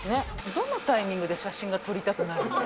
どのタイミングで写真が撮りたくなるの？